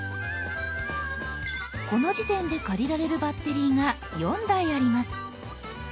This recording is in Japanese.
この時点で借りられるバッテリーが４台あります。